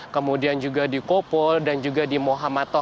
kemudian juga di kopo dan juga di mohamadapur